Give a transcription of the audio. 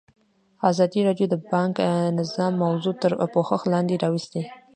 ازادي راډیو د بانکي نظام موضوع تر پوښښ لاندې راوستې.